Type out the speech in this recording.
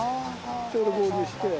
ちょうど合流して。